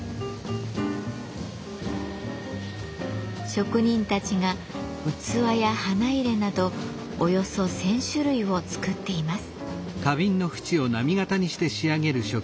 職人たちが器や花入れなどおよそ１，０００種類を作っています。